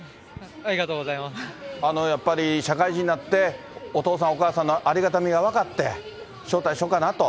やっぱり社会人になって、お父さん、お母さんのありがたみが分かって、招待しようかなと。